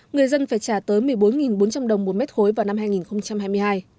người dân phải trả tới một mươi bốn bốn trăm linh đồng một mét khối vào năm hai nghìn hai mươi hai